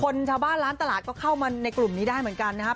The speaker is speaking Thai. ชาวบ้านร้านตลาดก็เข้ามาในกลุ่มนี้ได้เหมือนกันนะครับ